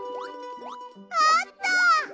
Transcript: あった！